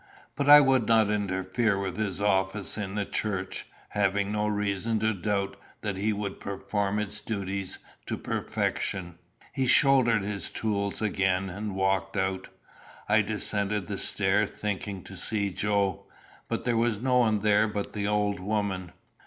But I would not interfere with his office in the church, having no reason to doubt that he would perform its duties to perfection. He shouldered his tools again and walked out. I descended the stair, thinking to see Joe; but there was no one there but the old woman.